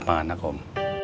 baik lah nyok